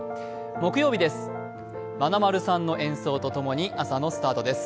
木曜日です、まなまるさんの演奏とともに朝のスタートです。